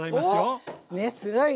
おっ⁉すごいね。